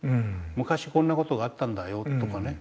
昔こんな事があったんだよとかね